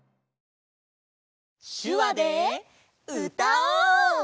しゅわでうたおう！